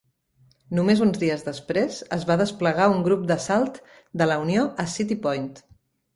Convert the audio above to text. Només uns dies després, es va desplegar un grup d'assalt de la Unió a City Point.